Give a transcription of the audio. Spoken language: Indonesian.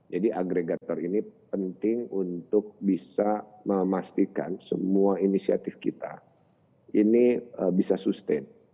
jadi agregator ini penting untuk bisa memastikan semua inisiatif kita ini bisa sustain